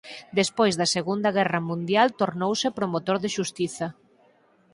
Despois da Segunda Guerra Mundial tornouse promotor de xustiza.